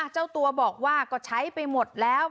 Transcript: เจ้าตัวบอกว่าก็ใช้ไปหมดแล้ว